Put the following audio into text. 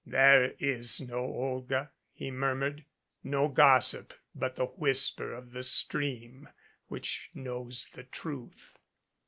"There is no Olga " he murmured, "no gossip but the whisper of the stream which knows the truth."